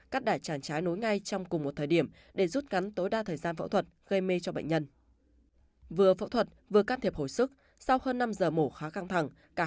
cắt đại tràng trái nối ngay trong cùng một thời điểm để rút gắn tối đa thời gian phẫu thuật gây mê cho bệnh nhân